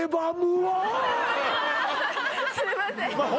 すいません